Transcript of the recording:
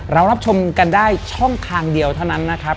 รับชมกันได้ช่องทางเดียวเท่านั้นนะครับ